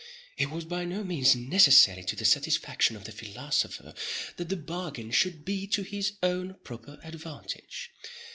It was by no means necessary to the satisfaction of the philosopher, that the bargain should be to his own proper advantage.